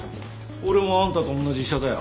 俺もあんたと同じ医者だよ。